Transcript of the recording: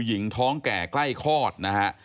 หญิงท้องแก่ใกล้คลอดนะฮะ